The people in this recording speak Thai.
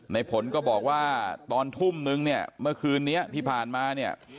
ในผลก็บอกว่าตอนทุ่มนึงเนี่ยเมื่อคืนนี้ที่ผ่านมาเนี่ย